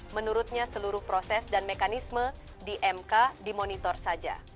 menurutnya seluruh proses dan mekanisme di mk dimonitor saja